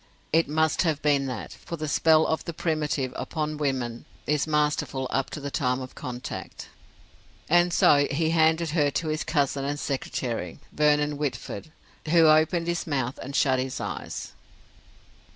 It must have been that; for the spell of the primitive upon women is masterful up to the time of contact. "And so he handed her to his cousin and secretary, Vernon Whitford, who opened his mouth and shut his eyes."